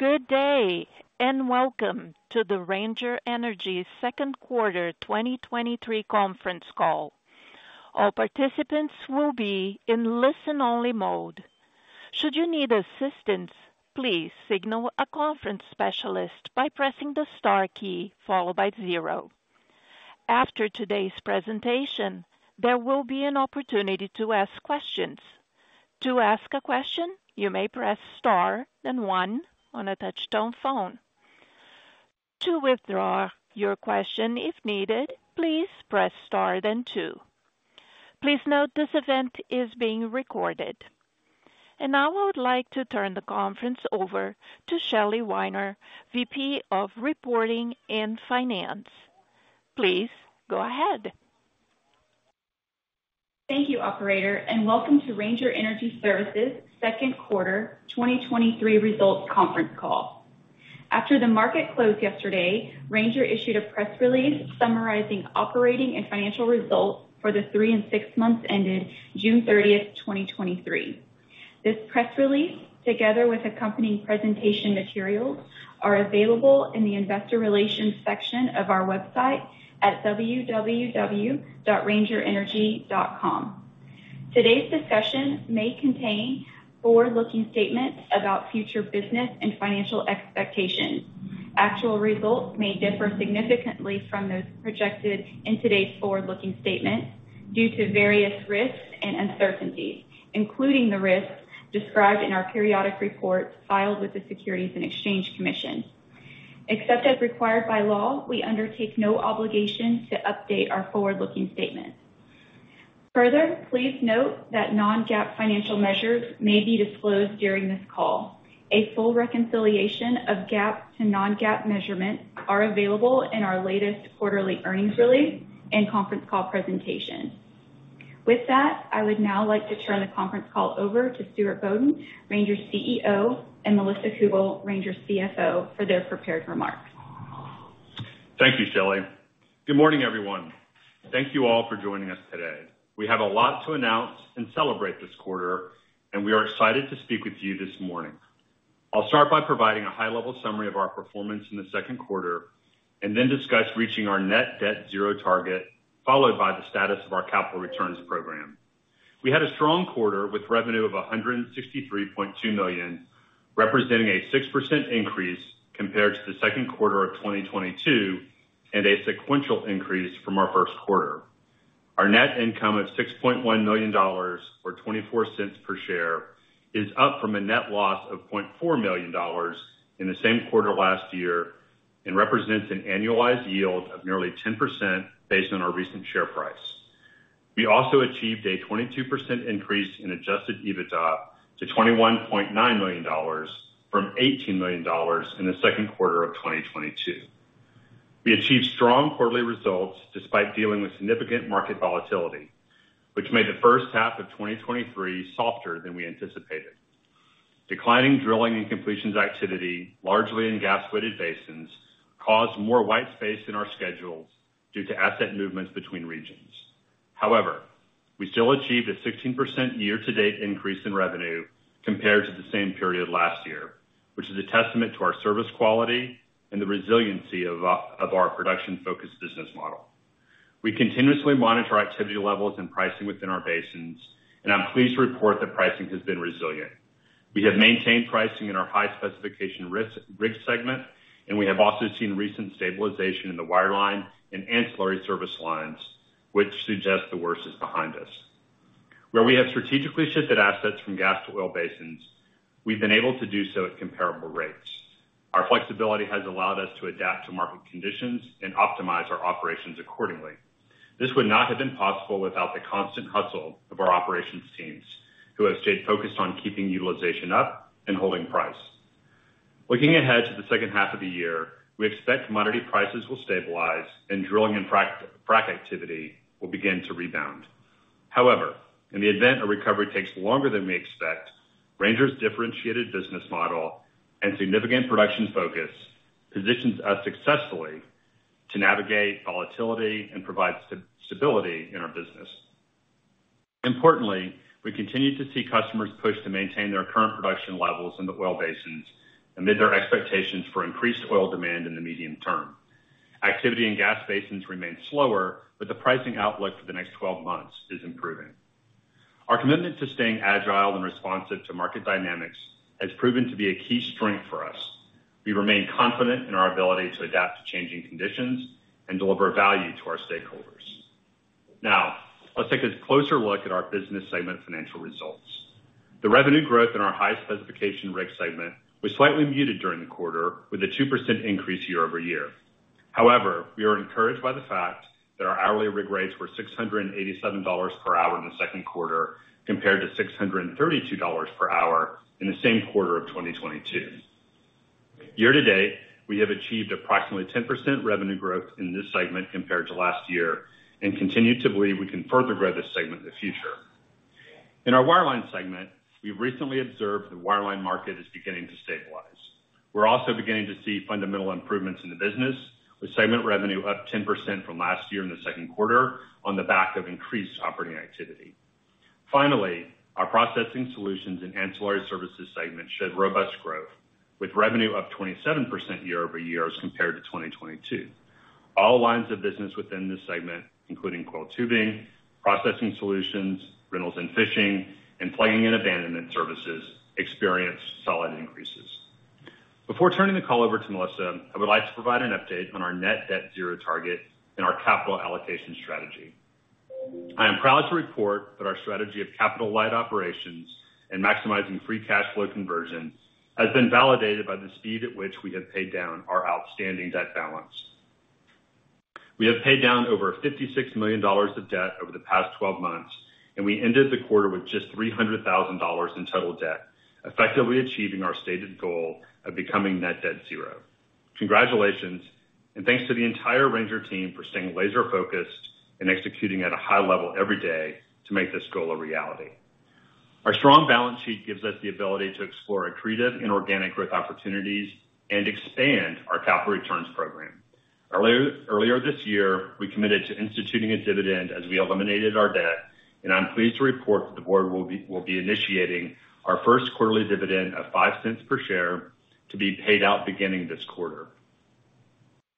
Good day, welcome to the Ranger Energy second quarter 2023 conference call. All participants will be in listen-only mode. Should you need assistance, please signal a conference specialist by pressing the Star key, followed by 0. After today's presentation, there will be an opportunity to ask questions. To ask a question, you may press Star, then one on a touchtone phone. To withdraw your question if needed, please press Star, then two. Please note, this event is being recorded. Now I would like to turn the conference over to Shelly Weiner, VP of Reporting and Finance. Please go ahead. Thank you, operator, and welcome to Ranger Energy Services second quarter 2023 results conference call. After the market closed yesterday, Ranger issued a press release summarizing operating and financial results for the 3 and 6 months ended June 30th, 2023. This press release, together with accompanying presentation materials, are available in the investor relations section of our website at www.rangerenergy.com. Today's discussion may contain forward-looking statements about future business and financial expectations. Actual results may differ significantly from those projected in today's forward-looking statement due to various risks and uncertainties, including the risks described in our periodic reports filed with the Securities and Exchange Commission. Except as required by law, we undertake no obligation to update our forward-looking statement. Further, please note that non-GAAP financial measures may be disclosed during this call. A full reconciliation of GAAP to non-GAAP measurements are available in our latest quarterly earnings release and conference call presentation. With that, I would now like to turn the conference call over to Stuart Bodden, Ranger CEO, and Melissa Cougle, Ranger CFO, for their prepared remarks. Thank you, Shelly. Good morning, everyone. Thank you all for joining us today. We have a lot to announce and celebrate this quarter, and we are excited to speak with you this morning. I'll start by providing a high-level summary of our performance in the second quarter and then discuss reaching our net debt zero target, followed by the status of our capital returns program. We had a strong quarter, with revenue of $163.2 million, representing a 6% increase compared to the second quarter of 2022 and a sequential increase from our first quarter. Our net income of $6.1 million, or $0.24 per share, is up from a net loss of $0.4 million in the same quarter last year and represents an annualized yield of nearly 10% based on our recent share price. We also achieved a 22% increase in Adjusted EBITDA to $21.9 million from $18 million in the second quarter of 2022. We achieved strong quarterly results despite dealing with significant market volatility, which made the first half of 2023 softer than we anticipated. Declining drilling and completions activity, largely in gas-weighted basins, caused more white space in our schedules due to asset movements between regions. However, we still achieved a 16% year-to-date increase in revenue compared to the same period last year, which is a testament to our service quality and the resiliency of our production-focused business model. We continuously monitor activity levels and pricing within our basins, and I'm pleased to report that pricing has been resilient. We have maintained pricing in our high specification rig segment, and we have also seen recent stabilization in the wireline and ancillary service lines, which suggests the worst is behind us. Where we have strategically shifted assets from gas to oil basins, we've been able to do so at comparable rates. Our flexibility has allowed us to adapt to market conditions and optimize our operations accordingly. This would not have been possible without the constant hustle of our operations teams, who have stayed focused on keeping utilization up and holding price. Looking ahead to the second half of the year, we expect commodity prices will stabilize and drilling and frac activity will begin to rebound. However, in the event a recovery takes longer than we expect, Ranger's differentiated business model and significant production focus positions us successfully to navigate volatility and provide stability in our business. Importantly, we continue to see customers push to maintain their current production levels in the oil basins amid their expectations for increased oil demand in the medium term. Activity in gas basins remains slower, but the pricing outlook for the next 12 months is improving. Our commitment to staying agile and responsive to market dynamics has proven to be a key strength for us. We remain confident in our ability to adapt to changing conditions and deliver value to our stakeholders. Now, let's take a closer look at our business segment financial results. The revenue growth in our high specification rig segment was slightly muted during the quarter, with a 2% increase year-over-year. We are encouraged by the fact that our hourly rig rates were $687 per hour in the second quarter, compared to $632 per hour in the same quarter of 2022. Year-to-date, we have achieved approximately 10% revenue growth in this segment compared to last year and continue to believe we can further grow this segment in the future. In our wireline segment, we've recently observed the wireline market is beginning to stabilize. We're also beginning to see fundamental improvements in the business, with segment revenue up 10% from last year in the second quarter on the back of increased operating activity. Our processing solutions and ancillary services segment showed robust growth, with revenue up 27% year-over-year as compared to 2022. All lines of business within this segment, including coiled tubing, processing solutions, rentals and fishing, and plugging and abandonment services, experienced solid increases. Before turning the call over to Melissa, I would like to provide an update on our net debt zero target and our capital allocation strategy. I am proud to report that our strategy of capital-light operations and maximizing free cash flow conversion has been validated by the speed at which we have paid down our outstanding debt balance. We have paid down over $56 million of debt over the past 12 months, and we ended the quarter with just $300,000 in total debt, effectively achieving our stated goal of becoming net debt zero. Congratulations, and thanks to the entire Ranger team for staying laser focused and executing at a high level every day to make this goal a reality. Our strong balance sheet gives us the ability to explore accretive and organic growth opportunities and expand our capital returns program. Earlier this year, we committed to instituting a dividend as we eliminated our debt. I'm pleased to report that the board will be initiating our first quarterly dividend of $0.05 per share to be paid out beginning this quarter.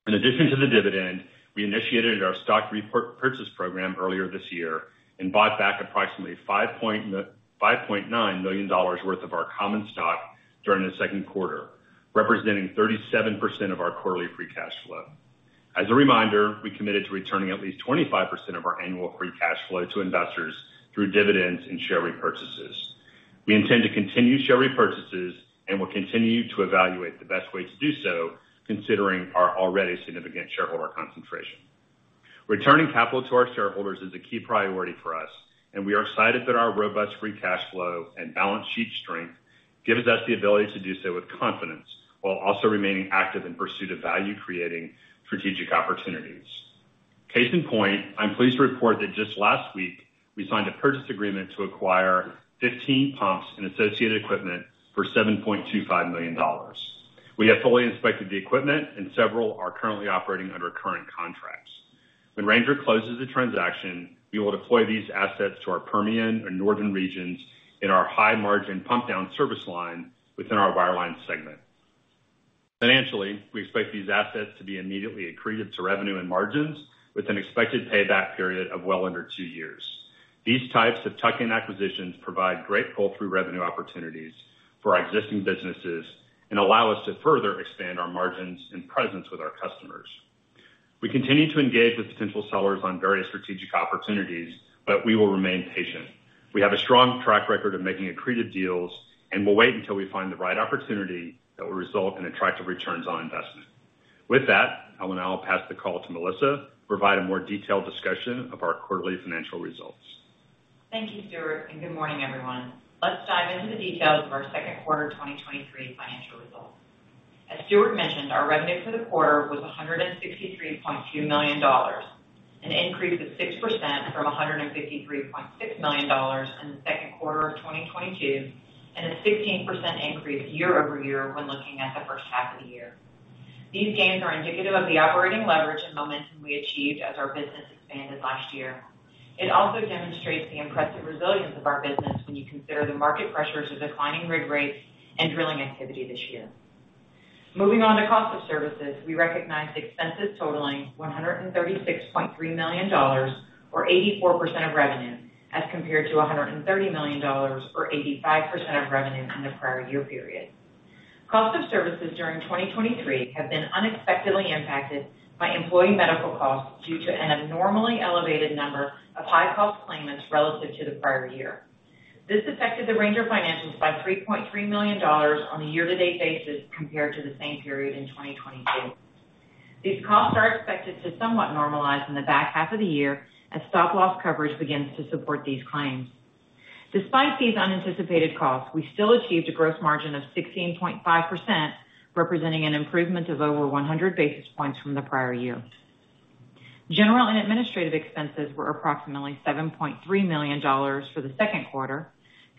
In addition to the dividend, we initiated our stock repurchase program earlier this year and bought back approximately $5.9 million worth of our common stock during the second quarter, representing 37% of our quarterly free cash flow. As a reminder, we committed to returning at least 25% of our annual free cash flow to investors through dividends and share repurchases. We intend to continue share repurchases and will continue to evaluate the best way to do so, considering our already significant shareholder concentration. Returning capital to our shareholders is a key priority for us, and we are excited that our robust free cash flow and balance sheet strength gives us the ability to do so with confidence, while also remaining active in pursuit of value-creating strategic opportunities. Case in point, I'm pleased to report that just last week, we signed a purchase agreement to acquire 15 pumps and associated equipment for $7.25 million. We have fully inspected the equipment and several are currently operating under current contracts. When Ranger closes the transaction, we will deploy these assets to our Permian and northern regions in our high margin pump down service line within our wireline segment. Financially, we expect these assets to be immediately accretive to revenue and margins, with an expected payback period of well under 2 years. These types of tuck-in acquisitions provide great pull-through revenue opportunities for our existing businesses and allow us to further expand our margins and presence with our customers. We continue to engage with potential sellers on various strategic opportunities, but we will remain patient. We have a strong track record of making accretive deals, and we'll wait until we find the right opportunity that will result in attractive returns on investment. With that, I will now pass the call to Melissa to provide a more detailed discussion of our quarterly financial results. Thank you, Stuart. Good morning, everyone. Let's dive into the details of our second quarter 2023 financial results. As Stuart mentioned, our revenue for the quarter was $163.2 million, an increase of 6% from $153.6 million in the second quarter of 2022. A 16% increase year-over-year when looking at the first half of the year. These gains are indicative of the operating leverage and momentum we achieved as our business expanded last year. It also demonstrates the impressive resilience of our business when you consider the market pressures of declining rig rates and drilling activity this year. Moving on to cost of services, we recognized expenses totaling $136.3 million, or 84% of revenue, as compared to $130 million, or 85% of revenue in the prior year period. Cost of services during 2023 have been unexpectedly impacted by employee medical costs due to an abnormally elevated number of high-cost claimants relative to the prior year. This affected the Ranger financials by $3.3 million on a year-to-date basis compared to the same period in 2022. These costs are expected to somewhat normalize in the back half of the year as stop-loss coverage begins to support these claims. Despite these unanticipated costs, we still achieved a gross margin of 16.5%, representing an improvement of over 100 basis points from the prior year. General and administrative expenses were approximately $7.3 million for the second quarter,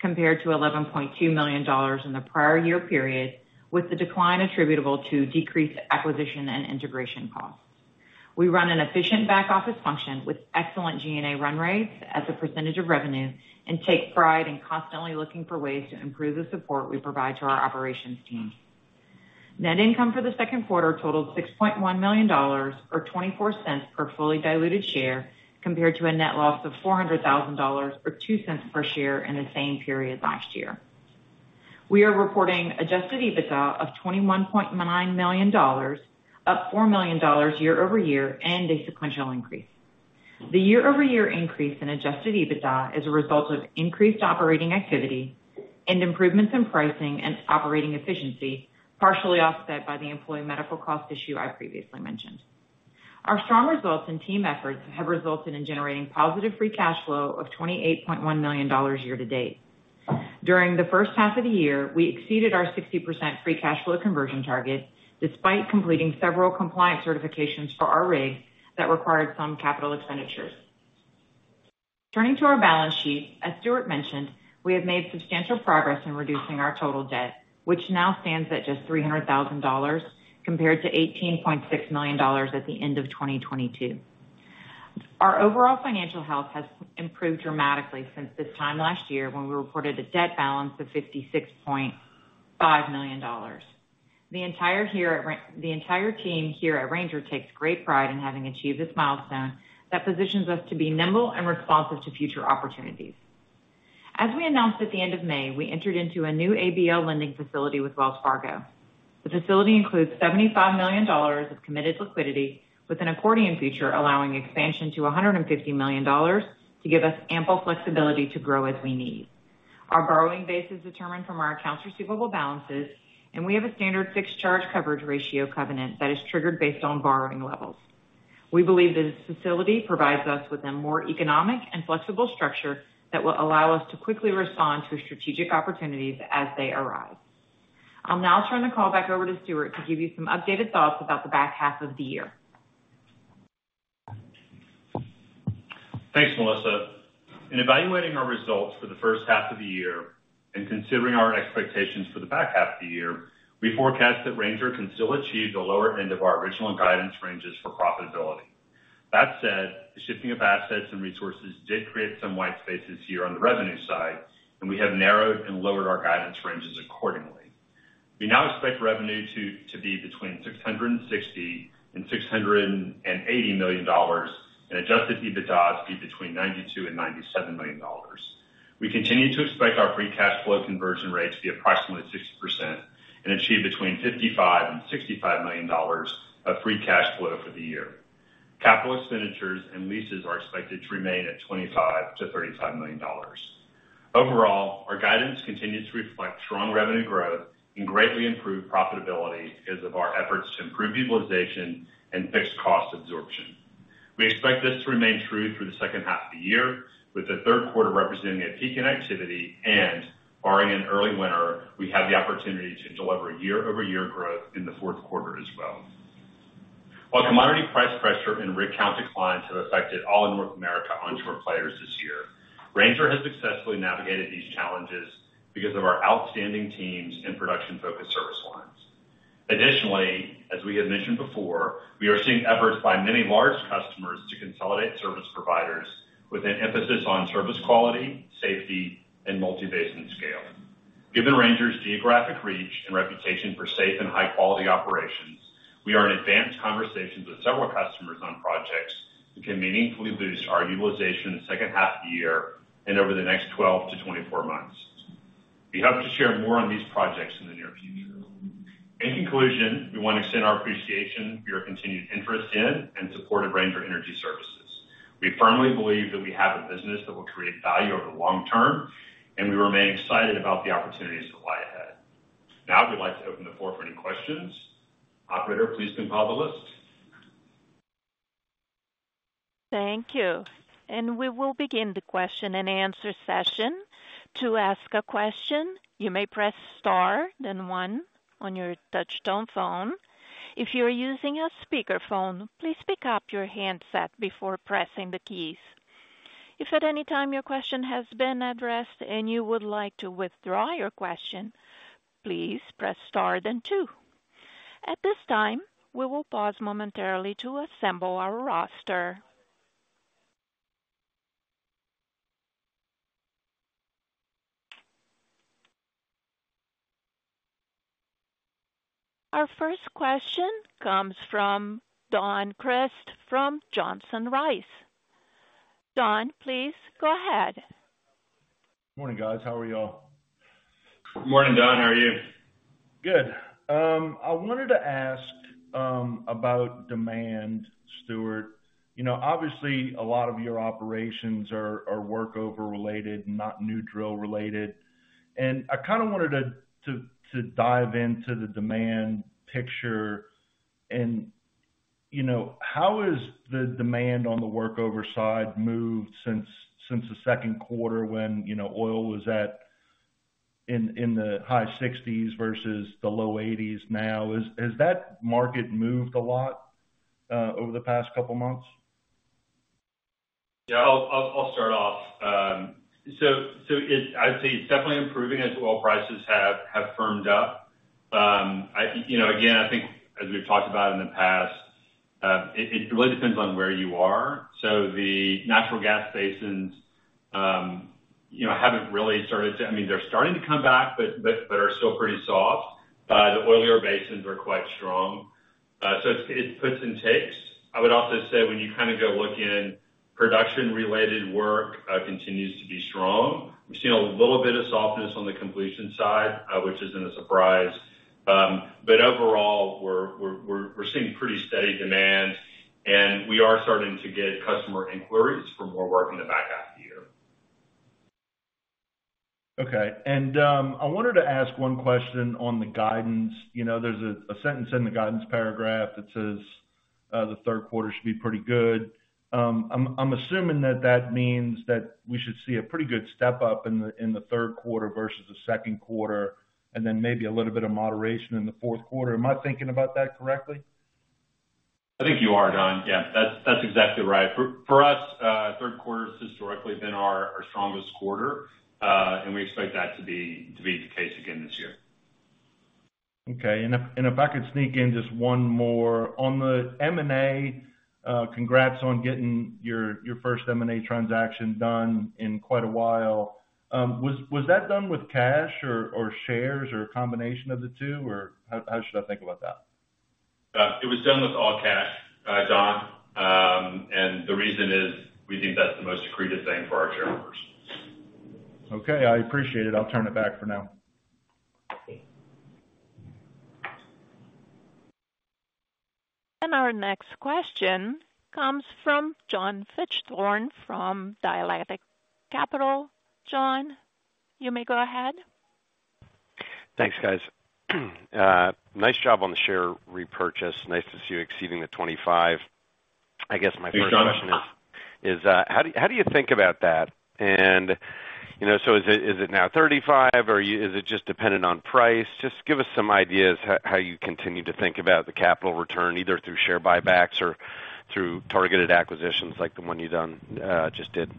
compared to $11.2 million in the prior year period, with the decline attributable to decreased acquisition and integration costs. We run an efficient back-office function with excellent G&A run rates as a % of revenue, and take pride in constantly looking for ways to improve the support we provide to our operations team. Net income for the second quarter totaled $6.1 million, or $0.24 per fully diluted share, compared to a net loss of $400,000, or $0.02 per share, in the same period last year. We are reporting Adjusted EBITDA of $21.9 million, up $4 million year-over-year and a sequential increase. The year-over-year increase in Adjusted EBITDA is a result of increased operating activity and improvements in pricing and operating efficiency, partially offset by the employee medical cost issue I previously mentioned. Our strong results and team efforts have resulted in generating positive free cash flow of $28.1 million year-to-date. During the first half of the year, we exceeded our 60% free cash flow conversion target, despite completing several compliance certifications for our rigs that required some capital expenditures. Turning to our balance sheet, as Stuart mentioned, we have made substantial progress in reducing our total debt, which now stands at just $300,000, compared to $18.6 million at the end of 2022. Our overall financial health has improved dramatically since this time last year, when we reported a debt balance of $56.5 million. The entire team here at Ranger takes great pride in having achieved this milestone that positions us to be nimble and responsive to future opportunities. As we announced at the end of May, we entered into a new ABL lending facility with Wells Fargo. The facility includes $75 million of committed liquidity with an accordion feature, allowing expansion to $150 million to give us ample flexibility to grow as we need. Our borrowing base is determined from our accounts receivable balances, and we have a standard fixed charge coverage ratio covenant that is triggered based on borrowing levels. We believe that this facility provides us with a more economic and flexible structure that will allow us to quickly respond to strategic opportunities as they arise. I'll now turn the call back over to Stuart to give you some updated thoughts about the back half of the year. Thanks, Melissa. In evaluating our results for the first half of the year and considering our expectations for the back half of the year, we forecast that Ranger can still achieve the lower end of our original guidance ranges for profitability. That said, the shifting of assets and resources did create some white spaces here on the revenue side, and we have narrowed and lowered our guidance ranges accordingly. We now expect revenue to be between $660 million and $680 million, and Adjusted EBITDA to be between $92 million and $97 million. We continue to expect our free cash flow conversion rate to be approximately 60% and achieve between $55 million and $65 million of free cash flow for the year. Capital expenditures and leases are expected to remain at $25 million-$35 million. Overall, our guidance continues to reflect strong revenue growth and greatly improved profitability because of our efforts to improve utilization and fixed cost absorption. We expect this to remain true through the second half of the year, with the third quarter representing a peak in activity. Barring an early winter, we have the opportunity to deliver year-over-year growth in the fourth quarter as well. While commodity price pressure and rig count declines have affected all North America onshore players this year, Ranger has successfully navigated these challenges because of our outstanding teams and production-focused service lines. Additionally, as we had mentioned before, we are seeing efforts by many large customers to consolidate service providers with an emphasis on service quality, safety, and multi-basin scale. Given Ranger's geographic reach and reputation for safe and high-quality operations, we are in advanced conversations with several customers on projects that can meaningfully boost our utilization in the second half of the year and over the next 12-24 months. We hope to share more on these projects in the near future. In conclusion, we want to extend our appreciation for your continued interest in and support of Ranger Energy Services. We firmly believe that we have a business that will create value over the long term, and we remain excited about the opportunities that lie ahead. Now, we'd like to open the floor for any questions. Operator, please compile the list. Thank you. We will begin the question-and-answer session. To ask a question, you may press star one on your touchtone phone. If you are using a speakerphone, please pick up your handset before pressing the keys. If at any time your question has been addressed and you would like to withdraw your question, please press star two. At this time, we will pause momentarily to assemble our roster. Our first question comes from Don Crist from Johnson Rice. Don, please go ahead. Morning, guys. How are you all? Good morning, Don. How are you? Good. I wanted to ask about demand, Stuart. You know, obviously, a lot of your operations are, are workover related, not new drill related. I kind of wanted to, to, to dive into the demand picture. You know, how has the demand on the workover side moved since, since the second quarter when, you know, oil was at, in, in the high 60s versus the low 80s now? Has, has that market moved a lot over the past couple of months? Yeah, I'll, I'll, I'll start off. I'd say it's definitely improving as oil prices have, have firmed up. I, you know, again, I think as we've talked about in the past, it, it really depends on where you are. The natural gas basins, you know, haven't really started to I mean, they're starting to come back, but, but, but are still pretty soft. The oilier basins are quite strong. It, it puts and takes. I would also say when you kind of go look in, production-related work, continues to be strong. We've seen a little bit of softness on the completion side, which isn't a surprise. Overall, we're, we're, we're, we're seeing pretty steady demand, and we are starting to get customer inquiries for more work in the back half of the year. Okay. I wanted to ask 1 question on the guidance. You know, there's a sentence in the guidance paragraph that says, "The third quarter should be pretty good." I'm assuming that that means that we should see a pretty good step-up in the third quarter versus the second quarter, and then maybe a little bit of moderation in the fourth quarter. Am I thinking about that correctly? I think you are, Don. Yeah, that's, that's exactly right. For, for us, third quarter has historically been our, our strongest quarter, and we expect that to be, to be the case again this year. Okay, and if, and if I could sneak in just one more. On the M&A, congrats on getting your, your first M&A transaction done in quite a while. Was, was that done with cash or, or shares, or a combination of the two, or how, how should I think about that? It was done with all cash, Don. The reason is, we think that's the most accretive thing for our shareholders. Okay, I appreciate it. I'll turn it back for now. Our next question comes from John Fichthorn from Dialectic Capital. John, you may go ahead. Thanks, guys. Nice job on the share repurchase. Nice to see you exceeding the 25. I guess my first question. Hey, John. How do you think about that? You know, is it, is it now 35, or is it just dependent on price? Just give us some ideas how, how you continue to think about the capital return, either through share buybacks or through targeted acquisitions like the one you just did.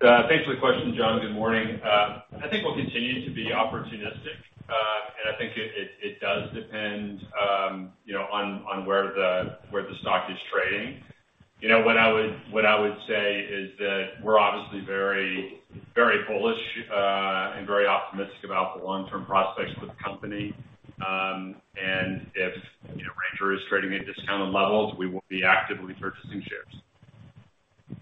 Thanks for the question, John. Good morning. I think we'll continue to be opportunistic. I think it, it, it does depend, you know, on, on where the, where the stock is trading. You know, what I would, what I would say is that we're obviously very, very bullish and very optimistic about the long-term prospects for the company. If, you know, Ranger is trading at discounted levels, we will be actively purchasing shares.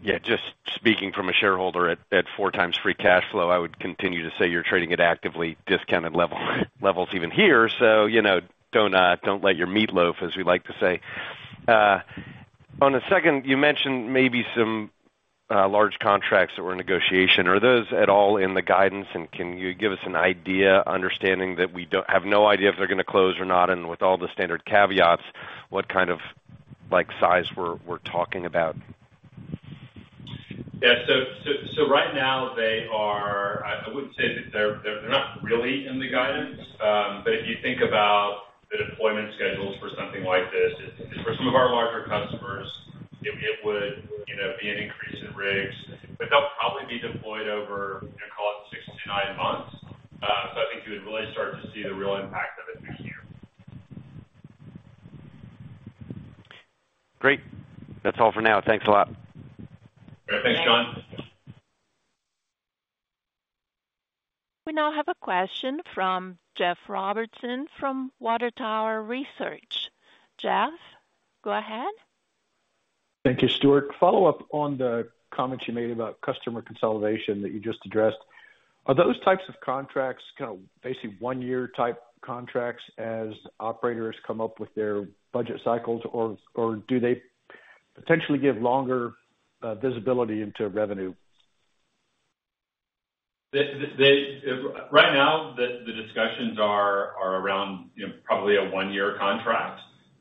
Yeah, just speaking from a shareholder at, at 4 times free cash flow, I would continue to say you're trading at actively discounted levels even here, so, you know, don't, don't let your meatloaf, as we like to say. On the second, you mentioned maybe some large contracts that were in negotiation. Are those at all in the guidance? Can you give us an idea, understanding that we have no idea if they're gonna close or not, and with all the standard caveats, what kind of, like, size we're talking about? Yeah. Right now, they are... I, I wouldn't say that they're, they're not really in the guidance. If you think about the deployment schedules for something like this, it, for some of our larger customers, it, it would, you know, be an increase in rigs, but they'll probably be deployed over, you know, call it 6 to 9 months. I think you would really start to see the real impact of it next year. Great. That's all for now. Thanks a lot. Thanks, John. We now have a question from Jeff Robertson from Water Tower Research. Jeff, go ahead. Thank you, Stuart. Follow up on the comments you made about customer consolidation that you just addressed. Are those types of contracts basically one-year type contracts as operators come up with their budget cycles, or do they potentially give longer visibility into revenue? They right now, the, the discussions are, are around, you know, probably a one-year contract.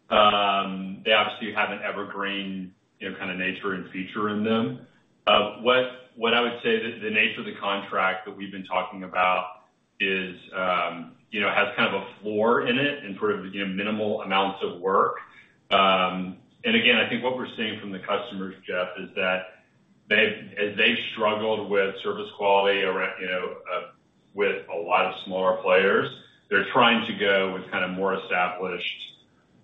They obviously have an evergreen, you know, kind of, nature and feature in them. What I would say that the nature of the contract that we've been talking about is, you know, has kind of a floor in it and sort of, you know, minimal amounts of work. Again, I think what we're seeing from the customers, Jeff, is that they've struggled with service quality around, you know, with a lot of smaller players. They're trying to go with kind of more established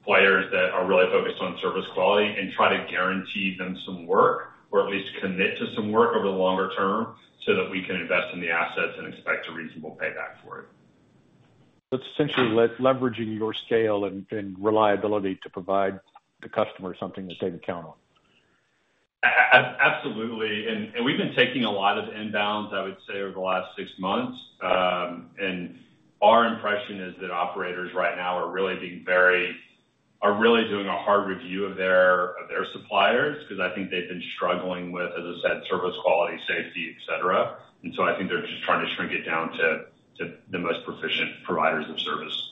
players that are really focused on service quality and try to guarantee them some work, or at least commit to some work over the longer term, so that we can invest in the assets and expect a reasonable payback for it. It's essentially leveraging your scale and reliability to provide the customer something that they can count on. Absolutely. And we've been taking a lot of inbounds, I would say, over the last 6 months. Our impression is that operators right now are really doing a hard review of their, of their suppliers, because I think they've been struggling with, as I said, service, quality, safety, et cetera. So I think they're just trying to shrink it down to, to the most proficient providers of service.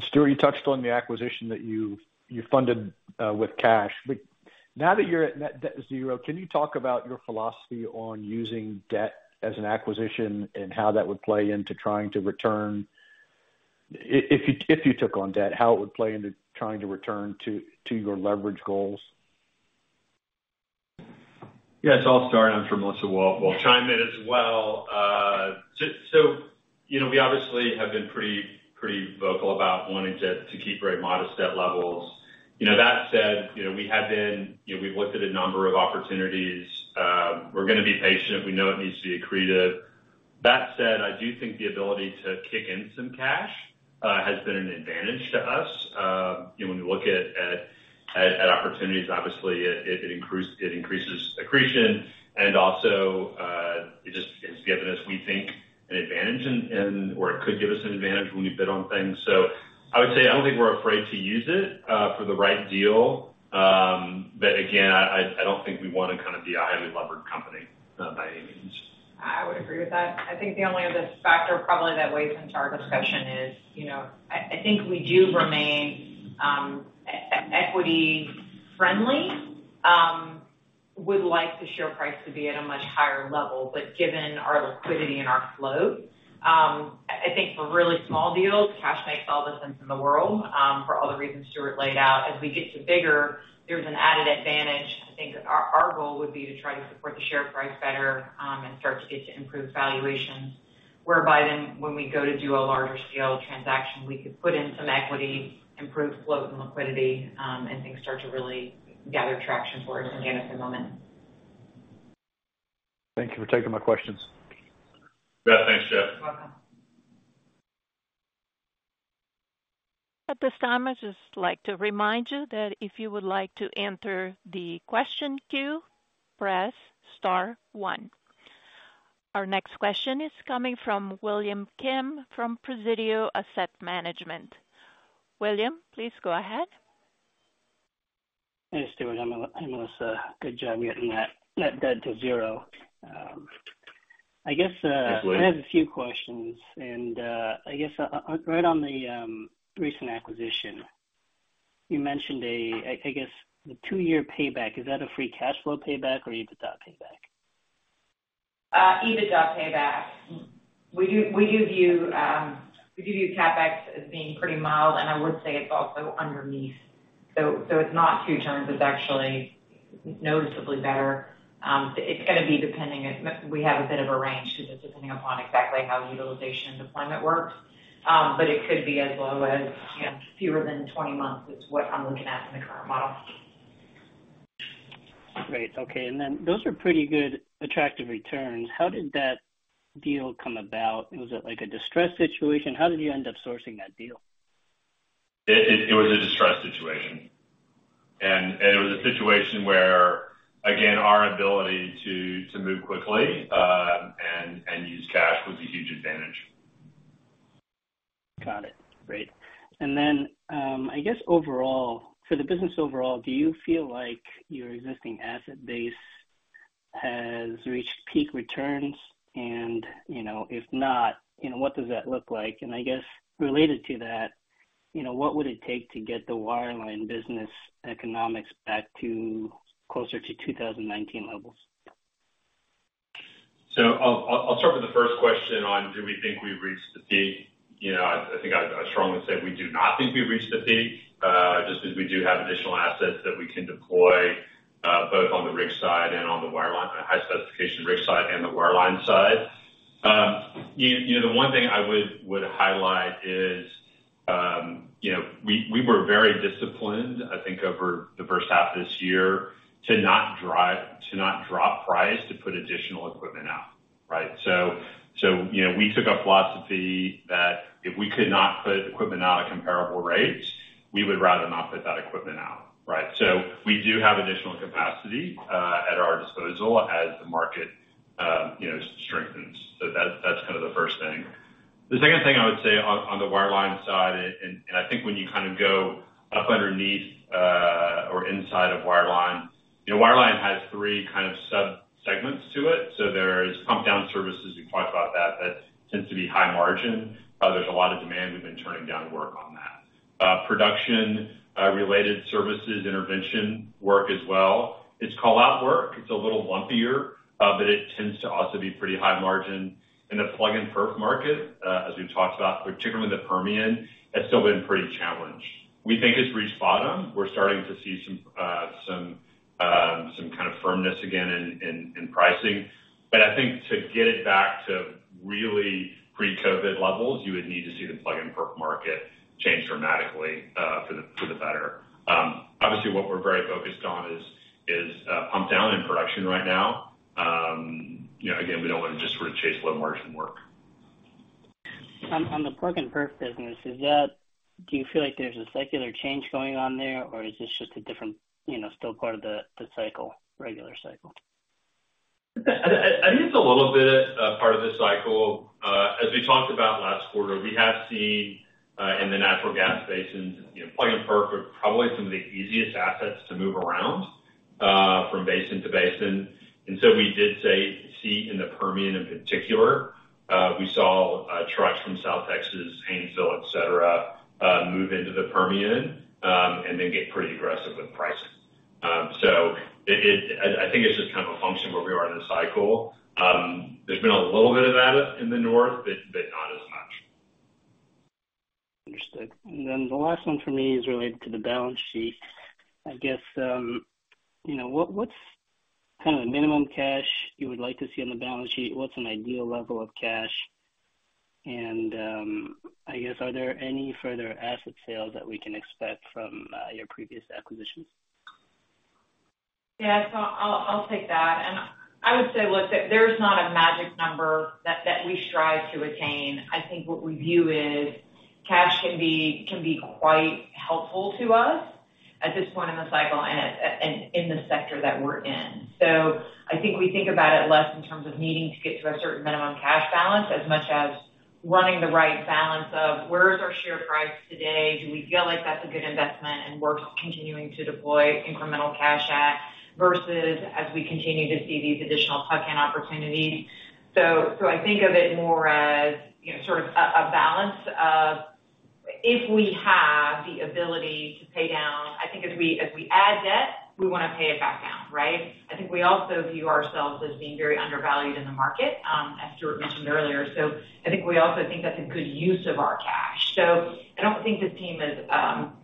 Stuart, you touched on the acquisition that you, you funded with cash. Now that you're at net debt zero, can you talk about your philosophy on using debt as an acquisition and how that would play into trying to return to your leverage goals? Yes, I'll start, then Melissa will, will chime in as well. So, you know, we obviously have been pretty, pretty vocal about wanting to, to keep very modest debt levels. You know, that said, you know, we have been, you know, we've looked at a number of opportunities. We're gonna be patient. We know it needs to be accretive. That said, I do think the ability to kick in some cash has been an advantage to us. You know, when we look at opportunities, obviously it, it increases, it increases accretion, and also, it just gives us, we think, an advantage, in or it could give us an advantage when we bid on things. I would say, I don't think we're afraid to use it for the right deal. Again, I, I, I don't think we want to kind of be a highly levered company, by any means. I would agree with that. I think the only other factor probably that weighs into our discussion is, you know, I think we do remain, equity friendly. Would like the share price to be at a much higher level, but given our liquidity and our flow... ... I, I think for really small deals, cash makes all the sense in the world, for all the reasons Stuart laid out. As we get to bigger, there's an added advantage. I think our, our goal would be to try to support the share price better, and start to get to improved valuations, whereby then, when we go to do a larger scale transaction, we could put in some equity, improve float and liquidity, and things start to really gather traction for us again at the moment. Thank you for taking my questions. Yeah, thanks, Jeff. Welcome. At this time, I'd just like to remind you that if you would like to enter the question queue, press star one. Our next question is coming from William Kim from Presidio Asset Management. William, please go ahead. Hey, Stuart and Melissa, good job getting that debt to zero. I guess. Thanks, William. I have a few questions, and I guess, right on the recent acquisition, you mentioned the 2-year payback, is that a free cash flow payback or EBITDA payback? EBITDA payback. We do, we give you, we give you CapEx as being pretty mild, and I would say it's also underneath. It's not two turns, it's actually noticeably better. It's gonna be depending if, we have a bit of a range, because it's depending upon exactly how the utilization and deployment works, it could be as low as, you know, fewer than 20 months, is what I'm looking at in the current model. Great. Okay, then those are pretty good attractive returns. How did that deal come about? Was it like a distressed situation? How did you end up sourcing that deal? It, it was a distressed situation. It was a situation where, again, our ability to, to move quickly, and, and use cash was a huge advantage. Got it. Great. I guess overall, for the business overall, do you feel like your existing asset base has reached peak returns? You know, if not, you know, what does that look like? I guess related to that, you know, what would it take to get the wireline business economics back to closer to 2019 levels? I'll, I'll, I'll start with the first question on, do we think we've reached the peak? You know, I, I think I'd, I'd strongly say we do not think we've reached the peak, just because we do have additional assets that we can deploy, both on the rig side and on the wireline, high specification rig side and the wireline side. You know, the one thing I would, would highlight is, you know, we, we were very disciplined, I think, over the first half of this year, to not drop price to put additional equipment out, right? You know, we took a philosophy that if we could not put equipment out at comparable rates, we would rather not put that equipment out, right? We do have additional capacity at our disposal as the market, you know, strengthens. That's, that's kind of the first thing. The second thing I would say on, on the wireline side, and, and I think when you kind of go up underneath or inside of wireline, you know, wireline has three kind of sub-segments to it. There's pump down services, we've talked about that. That tends to be high margin. There's a lot of demand. We've been turning down work on that. Production related services, intervention work as well. It's call out work. It's a little lumpier, but it tends to also be pretty high margin. In the plug and perf market, as we've talked about, particularly the Permian, has still been pretty challenged. We think it's reached bottom. We're starting to see some, some kind of firmness again in, in, in pricing. I think to get it back to really pre-COVID levels, you would need to see the plug and perf market change dramatically for the, for the better. Obviously, what we're very focused on is, is pump down and production right now. You know, again, we don't want to just sort of chase low margin work. On, on the plug and perf business, is that. Do you feel like there's a secular change going on there, or is this just a different, you know, still part of the, the cycle, regular cycle? I think it's a little bit part of the cycle. As we talked about last quarter, we have seen in the natural gas basins, you know, plug and perf are probably some of the easiest assets to move around from basin to basin. So we did say, see in the Permian, in particular, we saw trucks from South Texas, Gainesville, et cetera, move into the Permian, and then get pretty aggressive with pricing. It... I think it's just kind of a function of where we are in the cycle. There's been a little bit of that in the North, but not as much. Understood. Then the last one for me is related to the balance sheet. I guess, you know, what, what's kind of the minimum cash you would like to see on the balance sheet? What's an ideal level of cash? I guess, are there any further asset sales that we can expect from, your previous acquisitions? Yeah. I'll, I'll take that. I would say, look, there, there's not a magic number that, that we strive to attain. I think what we view is, cash can be, can be quite helpful to us at this point in the cycle and at, and in the sector that we're in. I think we think about it less in terms of needing to get to a certain minimum cash balance, as much as running the right balance of where is our share price today? Do we feel like that's a good investment and worth continuing to deploy incremental cash at, versus as we continue to see these additional plug-in opportunities? I think of it more as, you know, sort of a, a balance of-... If we have the ability to pay down, I think as we, as we add debt, we want to pay it back down, right? I think we also view ourselves as being very undervalued in the market, as Stuart mentioned earlier. I think we also think that's a good use of our cash. I don't think the team is,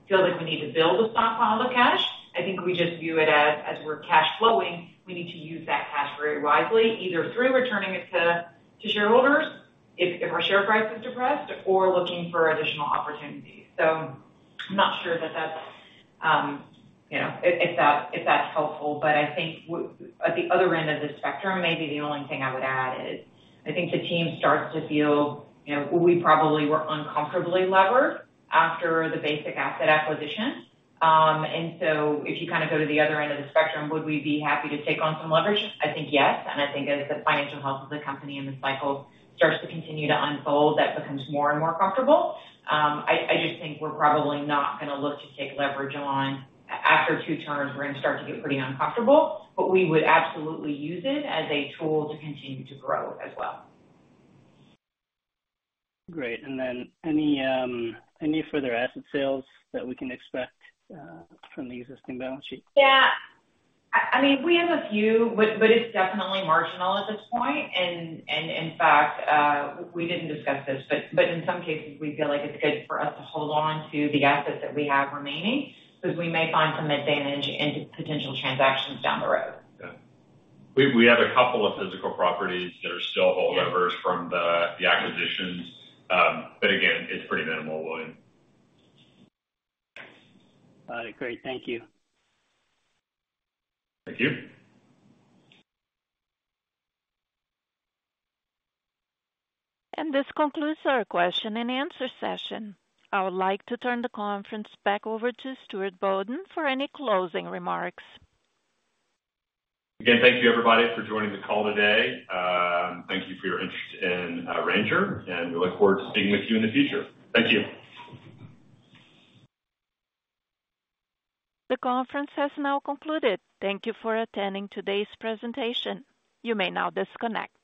feel like we need to build a stockpile of cash. I think we just view it as, as we're cash flowing, we need to use that cash very wisely, either through returning it to, to shareholders, if, if our share price is depressed, or looking for additional opportunities. I'm not sure that that's, you know, if, if that, if that's helpful. I think at the other end of the spectrum, maybe the only thing I would add is, I think the team starts to feel, you know, we probably were uncomfortably levered after the Basic asset acquisition. If you kind of go to the other end of the spectrum, would we be happy to take on some leverage? I think, yes. I think as the financial health of the company and the cycle starts to continue to unfold, that becomes more and more comfortable. I, I just think we're probably not gonna look to take leverage on after two turns, we're gonna start to get pretty uncomfortable, but we would absolutely use it as a tool to continue to grow as well. Great. Then any, any further asset sales that we can expect, from the existing balance sheet? Yeah. I, I mean, we have a few, but, but it's definitely marginal at this point. In fact, we didn't discuss this, but, but in some cases, we feel like it's good for us to hold on to the assets that we have remaining, because we may find some advantage in potential transactions down the road. Yeah. We, we have a couple of physical properties that are still holdovers from the, the acquisitions, but again, it's pretty minimal, William. All right, great. Thank you. Thank you. This concludes our question and answer session. I would like to turn the conference back over to Stuart Bodden for any closing remarks. Again, thank you, everybody, for joining the call today. Thank you for your interest in Ranger. We look forward to speaking with you in the future. Thank you. The conference has now concluded. Thank you for attending today's presentation. You may now disconnect.